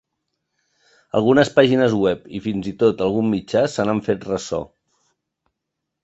Algunes pàgines web i, fins i tot, algun mitjà se n’han fet ressò.